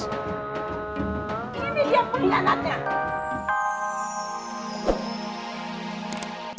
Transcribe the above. ini dia punya anaknya